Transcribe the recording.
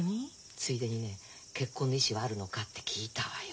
ついでにね結婚の意思はあるのかって聞いたわよ。